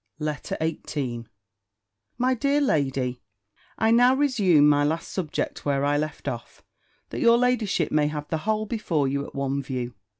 B. LETTER XVIII MY DEAR LADY, I now resume my last subject where I left off, that your ladyship may have the whole before you at one view.